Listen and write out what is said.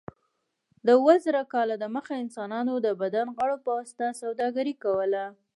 د اوه زره کاله دمخه انسانانو د بدن غړو په واسطه سوداګري کوله.